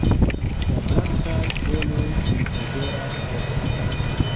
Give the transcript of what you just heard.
La blankaj floroj odoras forte.